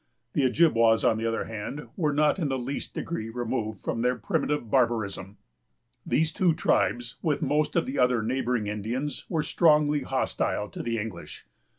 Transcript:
The Ojibwas, on the other hand, were not in the least degree removed from their primitive barbarism. These two tribes, with most of the other neighboring Indians, were strongly hostile to the English.